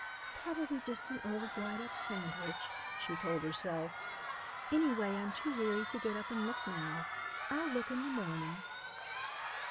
"Probably just an old, dried up sandwich," she told herself. "Anyway, I'm too weary to get up and look now. I'll look in the morning."